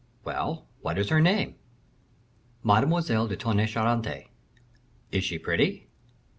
"Well, what is her name?" "Mademoiselle de Tonnay Charente." "Is she pretty?"